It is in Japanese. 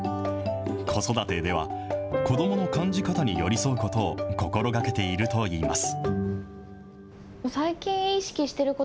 子育てでは、子どもの感じ方に寄り添うことを心がけているといいます。